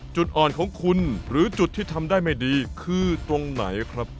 จุดอ่อนของคุณหรือจุดที่ทำได้ไม่ดีคือตรงไหนครับ